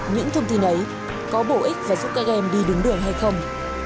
những thông tin ấy có bổ ích và giúp các em đi đứng đường hay không